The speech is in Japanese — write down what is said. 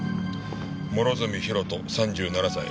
諸角博人３７歳。